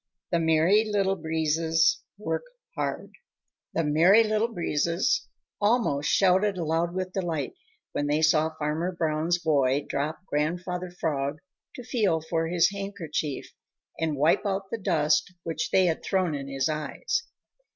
XVI THE MERRY LITTLE BREEZES WORK HARD The Merry Little Breezes almost shouted aloud with delight when they saw Farmer Brown's boy drop Grandfather Frog to feel for his handkerchief and wipe out the dust which they had thrown in his eyes.